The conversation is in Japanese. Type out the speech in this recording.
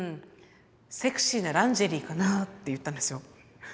セクシーなランジェリーかなって言ったんですよ。